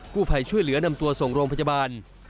ผู้ภัยช่วยเหลือนำตัวส่งโรงพยาบาล